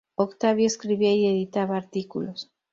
Octavio escribía y editaba artículos.